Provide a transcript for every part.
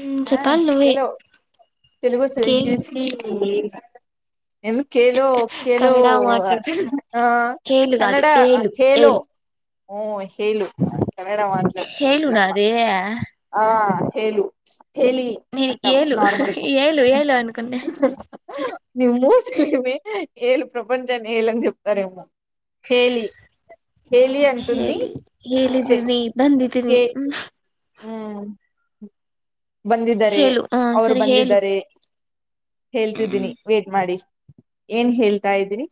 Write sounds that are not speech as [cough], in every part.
మ్ ఆ చెప్పాలి నువ్వే కిలో తెలుగు సెలెక్ట్ కేలు చేసి ఎందు కేలో కేలో కన్నడ మాట్లాడుతున్నా ఆ కేలు కాదు కన్నడ ఏలు కేలో ఏలు ఊ హెలు కన్నడ మాట్లాడత హేలు ఎంట్లప్ప నాదే ఆ హేలు హేలి నేను అంటాం ఏలు నార్మల్ ఏలు ఏలు అనుకున్నా నీ మూతి లే మే ఏలు ప్రపంచాన్ని ఏళని చెప్తారేమో హేలి హేలి అంటుంది హేలి హే కే బందిదరె ఔరు బందిదరే హెల్తిదిని వెయిట్ మాడి ఏన్ హెల్తాయిదిని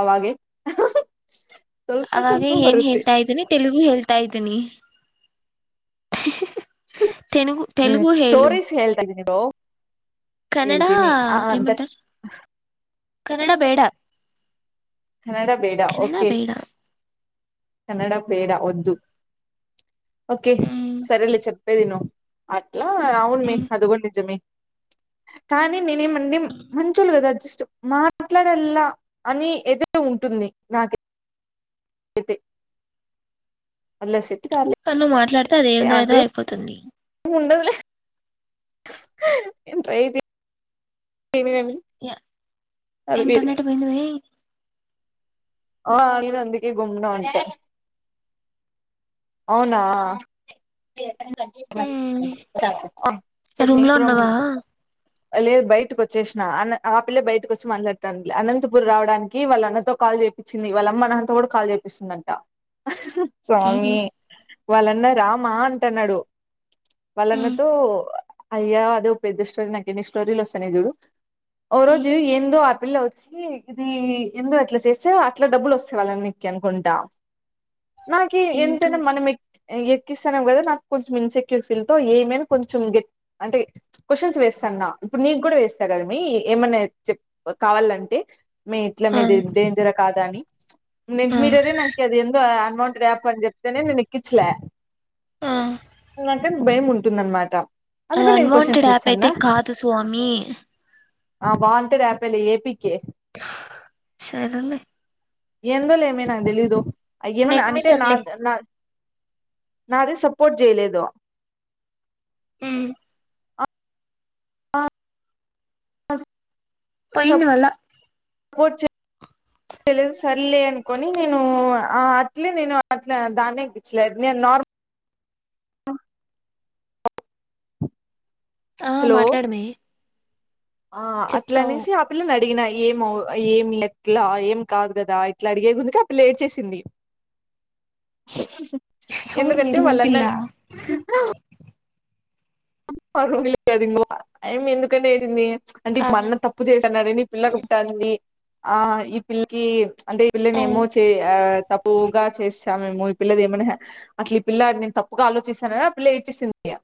అవాగే అవాగే ఏన్ హెల్తాయిదిని తెలుగు హేల్తాయిదని తెనుగు తెలుగు హేలు కన్నడ ఏమంటారు కన్నడ బేడ కన్నడ బేడా కన్నడ ఓకే బేడ కన్నడ బేడ వద్దు ఓకే సరేలే చెప్ పెదిను అట్లా అవును మే అది కూడా నిజమే కానీ నేనేమండి మంచోళ్ళు కదా జస్ట్ మాట్లాడల్లా అని ఏదైతే ఉంటు టుంది నాకై తే ఉల్లాసి కని నువ్ మాట్లాడితే అదేందో ఏదో అయిపోతుంది నెన్ ట్రై చెయ్ తని యా, అది ఇంటర్నెట్ పోయింది ఆ మాముల్గా అందుకే గమ్నా ఉంటా అవునా వే చట్నీ రూమ్ లో ఉన్నావా లేదు బయటకి వచ్చేసిన ఆ పిల్ల బయటకు వచ్చి మాట్లాడతాంది లే అనంతపుర్ రావడానికి వాళ్ళ అన్నతో కా చెప్పిచింది వాళ్ళమ్మ నాతో కూడా కాల్ చేపిస్తుందంట సామి వాళ్ళన్న రామా అంటన్నాడు వాళ్ళన్నతో అయ్యా అదే ఓ పెద్ద స్టోరీ నాకేన్ని స్టోరీలు వస్తానయి చూడు ఓ రోజు ఏందో పిల్ల వచ్చి ఇది ఇందు అట్లా చేస్తే అట్లా డబ్బులు వస్తే వాళ్ళక్కి అనుకుంటా ఇందు ఎక్కిస్తానవ్ గదా నాకు కొంచెం ఇన్సెక్యూర్ ఫీల్ తో ఏమైనా కొంచెం గెట్ అంటే క్వ శ్చన్ వేస్తాన్నా ఇప్పుడు నీకు గూడా వేస్తా గదా మీ ఏమన్నా చెప్ కావాలంటే మీ ఇట్ల ఆ మీది డేంజరా కాదా అని నీక్ ఆ మీర్ అదే నాకు అది ఎందో అన్వాంటెడ్ యాప్ అని చెప్ తనే ఎక్కించలే ఆ అంటే భయం ఉంటుందన్నమాట అది అన్వాంటెడ్ ఆప్ అయితే కాదు స్వామి ఆ వాంటెడ్ ఆపెలే ఏపీ కే సరేలే ఎందో లే అమ్మి నాగ్ దెలీదు అయ ఏమన్నా నెట్ అంటే నా మీటర్లే నా నాది సపోర్ట్ జేయలేదు ఉమ్ ఆ బ బస్ పోయింది మళ్ళ కొడ్చే తెలీదు సర్లే అనుకొని నేను అట్లే నేను అట్లా దాన్నే యెక్కించలేదు నేను నార్మల్ ఆ ఆ హలో మాట్లాడమే ఆ అట్లా చెప్తావు అనేసి ఆ పిల్ల న అడిగిన ఏము ఏమి ఎట్లా ఏం కాదు గదా ఇట్లా అడిగే గుందుకే ఆ పిల్ల ఏడ్చేసింది ఎవరు ఎందుకంటే మీరు వాళ్ళ పిల్ల అన్ననే పరువు [unintelligible] ఆ యమ్మి ఎందుకని ఏడ్చిం ది అంటే ఆ మా అన్న తప్పు జేసా అన్నాడనీ పిల్లకుంటంది ఆ ఈ పిల్లకి అంటే ఈ ఆ పిల్లనేమో చే ఆ తప్పుగా చేసా మేము ఈ పిల్లది ఏమన్నా అట్లా ఈ పిల్ల నేను తప్పుగా ఆలోచిస్తానని ఆ పిల్ల ఏడ్చేసిందిగ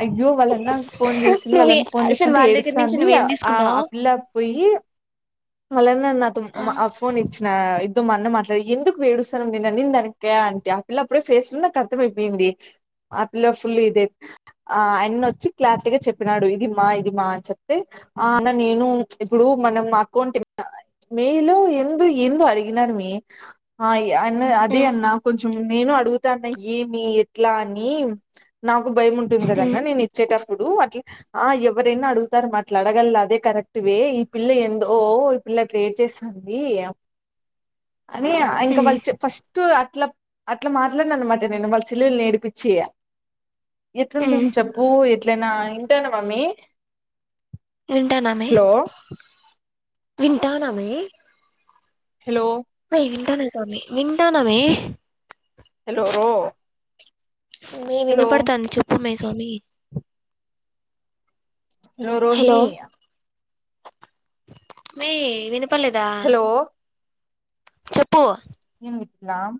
అయ్యో వాళ్ళన్నా ఫోన్ జేసింది నువ్వే వాళ్ళన్నా ఫోన్ అసలు జేసింటే వాళ్ళ దగ్గర నుంచి ఏడుస్తాంది నువ్వేం ఆ తీసుకుంటావు ఆ పిల్లా పోయి వాళ్ళన్నా నాతో ఆ ఫోన్ ఇచ్చినా తో మా అన్న మాట్లాడు ఎందుకు యేడుస్తానవ్ నేను అనిందానిక అంటే ఆ పిల్ల అప్పుడే ఫేస్ లో నాకు అర్థమైయిపోయింది. ఆపిల్ల ఫుల్ ఇదే ఆ ఆయన వచ్చి క్లారిటీగా చెప్పినాడు ఇది మా ఇది మా అని చెప్తే ఆ అన్న నేను ఇప్పుడు అన్న మా అకౌంట్ మేల్ ఎందో ఎందో అడిగినాడు మీ అన్న ఆ అదే అన్నా కొంచెం నేను అడుగుతా అన్న ఏమి ఎట్లా అని నాకు భయం ఉంటుంది ఆ గదన్న నేను ఇచ్చేటప్పు ఇప్పుడు అట్ల ఆ ఎవరైన అడుగుతారు మా అట్లా అడగాల అదే కరెక్ట్ వే ఈ పిల్ల ఎందో ఇలా ప్రేర్ చేస్తుంది అని ఇంకా వాళ్ళు ఫస్ట్ అట్లా అట్లా మాట్లాడిన అన్నమాట నేను వాళ్ళ చెల్లెలు ఏడిపిచ్చి ఆ ఎట్లుంటుంది చెప్పు ఎట్లనా ఇంటానే మమ్మీ వింటాన మే హలో వింటాన మే హలో ఉంటానే స్వామి మింటానమే హలో రో మీ హలో వినపడతాంది చెప్పు మే స్వామి హలో ఓరోహిణి మే వినపడలేదా హలో చెప్పు ఇట్లామ్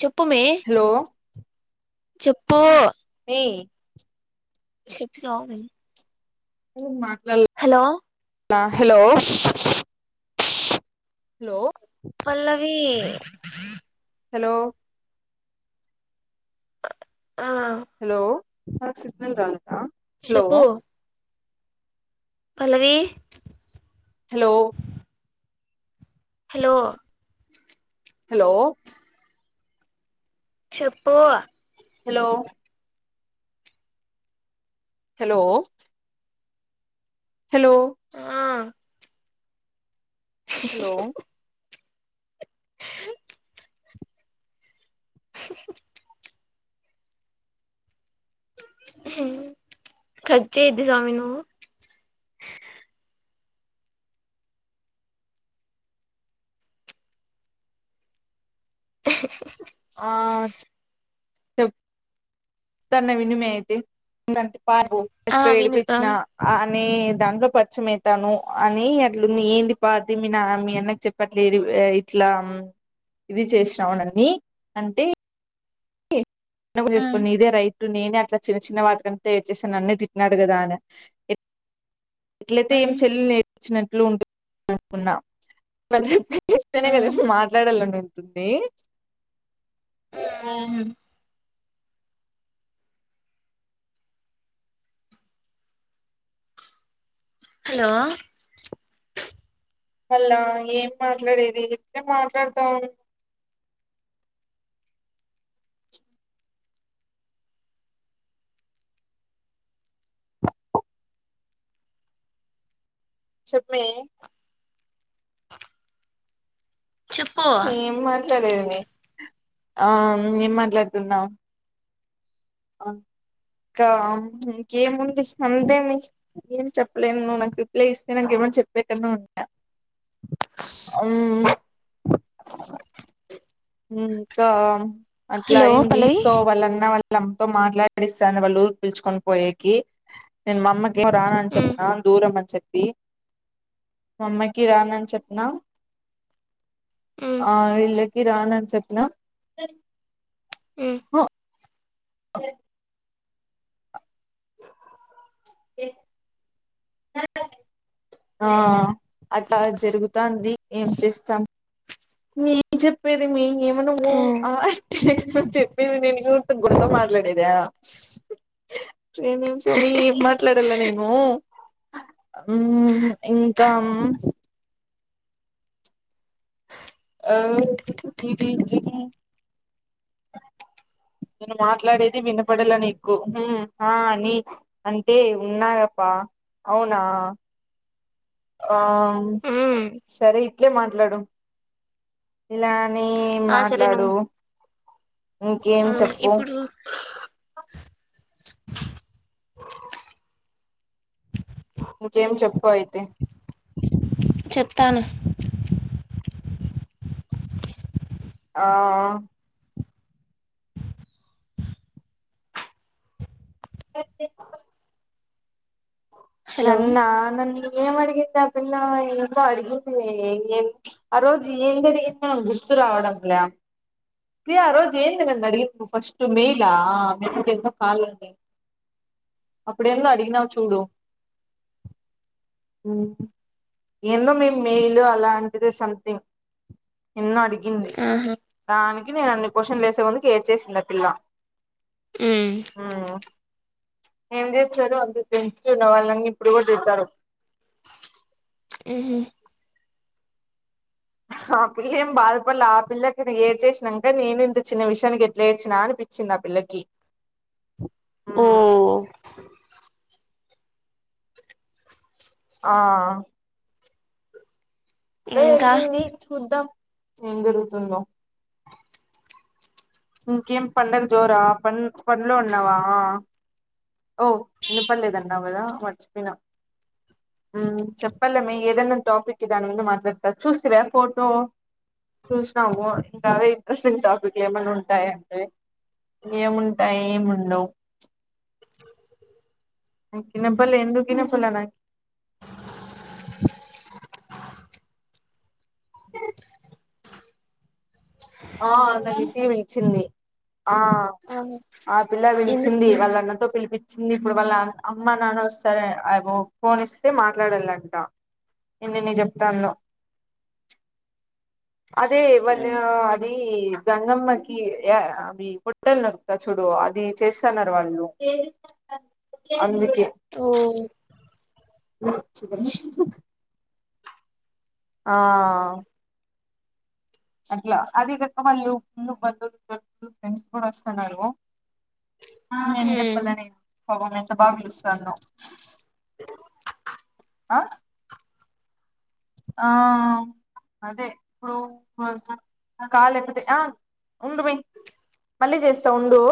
చెప్పు మే హలో చెప్పు మీ చెప్పి సావుమే ఏమ్మా హలో నా హలో, హలో పల్లవి హలో ఆ హలో నాక్ సిగ్నల్ రాల. షేప్పు పల్లవి హలో హలో హలో చెప్పు హలో హలో హలో ఆ హలో [inaudible] [inaudible] హ్మ్ కట్ చేయొద్దు స్వామి నువ్వు. [inaudible] ఆ చెప్ చెప్తాన వినుమె అయితే, ఇంగంతే పాబు ఆ పాస్ట్ లో విను ఆ ఏడిపిచ్చిన. అ ని దాంట్లో పరిచయం అయితాను అని అట్లుంది. ఏంది పా అది మీ నా మీ అన్నకి చెప్పట్లేదు. ఏ ఇట్లా, ఇది చేసినావు నన్ని అంటే, నవ్వు చేస్కో నీదే రైట్. ఇప్పుడు నేనే అట్ల చిన్న చిన్న వాటికంటే ఇద్ చేస్తే నన్నే తిట్టిన్నాడు కదా అన. ఎ ఎట్లయితే ఏం చెల్లె నేర్పించినట్లు ఉంటు క అనుకున్నా, వాళ్లక్ చెప్పి స్తేనే కదా మాట్లాడాలని ఉంటుంది. మ్ హలో మల్లా ఏం మాట్లాడేది? ఇప్పుడే మాట్లాడదాం. చెప్ మే చెప్పు ఏం మాట్లాడేది మే? ఆ ఏం మాట్లాడుతున్నా అ కా ఇంకేముంది, అంతె మే. ఏం చెప్పలేన్ నువ్ నాకు రిప్లై ఇస్తే నాకేమన్ ఏమన్ చెప్పే కన్నా ఉంట. మ్ ఇంకా హలో అట్లయింది పల్లవి సో వాళ్ళ అన్న వాళ్ వల్లమ్మతో మాట్లాడిస్తాంది. వాళ్ ఊరికి పిలుచుకొని పోయెకి. నేను మా అమ్మకి రానని చెప్తాన్ దూరం అని చెప్పి, మా అమ్మకి రానని చెప్పిన. ఆ ఇళ్ళకి రానని చెప్పిన. హ చే ఎ ఆ అట్లా జరుగుతాంది. ఏం చేస్తాం ఏం చెప్పేది మే? ఏమ నువ్వు అ నువ్ చెప్పేది వినిగుడ గుణతో మా మాట్లాడెదా! ఏమేం స్వామి ఏం మాట్లా వెల్ల నేను. మ్మ్ ఇంకా అ డిది చెకింగ్ నేను మాట్లాడేది వినపడల నీకు. హుమ్ హా అని అంటే ఉన్నాగ ప అవునా ఆ సరే ఇట్లే మాట్లాడు ఇలా అనీ ఆ సరే మాట్లాడు నువ్వు ఇంకేం ఆ చెప్పు [inaudible] ఇప్పుడు ఇంకేం చెప్పు అయితే చెప్తాను ఆ అ హలో నన్న న ఏం అడిగింది ఆ పిల్ల ఇంకా అడిగింది ఆ రోజు ఏం జరిగింది గుర్తు రావడం లే ప్రియా ఆ రోజు ఏంద నం నడిగత్ ఫస్ట్ మీ ఇల్లా ఆ [unintelligible] ఎంతో కాల అప్పుడ ఏందో అడిగిన చూడు హు ఏందో మేము మెయిలు అలాంటిదే సంథింగ్ ఎనియో అడిగి ఉంది ఆహా దానికి నేను అన్ని క్వశ్చన్ వేసే కొందుకు ఏడ్చేసింది ఆ పిల్ల ఆ ఏం చేస్తారు అన్ని ఉన్న వాళ్ళన్న ఇప్పుడు కూడా తింటారు ఉహు ఆ పిల్ల ఏం బాధపడలే ఆ పిల్లకి ఏడ్చేసినాంక నేను ఇంత చిన్న విషయానికి ఎట్లే ఏడ్చినా అ చిన్నపిల్లలకి ఊ ఆ ఇప్పుడే ఇంకా అడిగింది చూద్దాం ఏం జరుగుతుందో ఇంకేం పండుగ జోరా ప పన్లో ఉన్నావా ఓ నినిపర్లేదన్నా కదా మర్చిపోయిన హు చెప్పలే మీ ఏదన్నా టాపిక్కి దాని ముందు మాట్లాడతారు చూస్తవ ఫోటో చూసిన వ చాలా ఇంట్రెస్టింగ్ టాపిక్ టైరి ఏముంటాయి ఏం ఉంటావు చినప్పులే ఎందుకిన [unintelligible] ఆ నన్ను ఇంటికే పిలిచింది ఆ అవును ఆ పిల్ల పిలిచింది ఎందుకు వాళ్ల అన్నతో పిలిపి వచ్చింది ఇప్పుడు వాళ్ళ అమ్మ నాన్న వస్తార అ ఫోన్ ఇస్తే మాట్లాడాలంట ఎన్నెన్ని చెప్తానుదో ఆ, అదేవన్నీ ఈ గంగమ్మకి ఏ అవి పుట్టన్నారు చూడు అది చేస్తున్నారు వాళ్ళు అందుకే ఓ [unintelligible] ఆ అట్లా అదే కక వాళ్ళు ఫుల్ బంధువులు చలు ఫ్రెండ్స్ కూడా వస్తున్నారు ఆ ఎ చెప్పలేనేను పాపం ఎంత బాగా పిలుస్తాందో ఆ ఆ అదే ఇప్పుడు కాల ఎపోతే ఆ ఉండు మీ మళ్లీ చేస్తా ఉండు